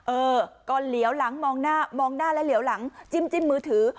เออก็เหลียวหลังมองหน้ามองหน้าแล้วเหลียวหลังจิ้มมือถือ